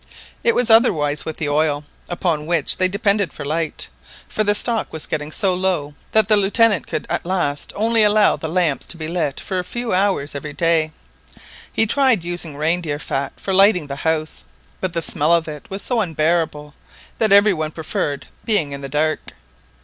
It was otherwise with the oil, upon which they depended for light, for the stock was getting so low that the Lieutenant could at last only allow the lamps to be lit for a few hours every day. He tried using reindeer fat for lighting the house, but the smell of it was so unbearable that every one preferred being in the dark.